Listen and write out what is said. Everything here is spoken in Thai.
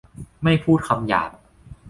ไม่พูดหยาบคาย